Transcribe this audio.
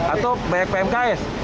atau banyak pmks